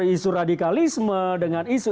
isu radikalisme dengan isu